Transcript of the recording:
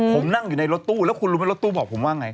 ผมนั่งอยู่ในรถตู้แล้วคุณรู้ไหมรถตู้บอกผมว่าไง